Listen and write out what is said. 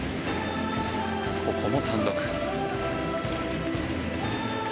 ここも単独。